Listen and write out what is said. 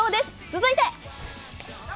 続いて。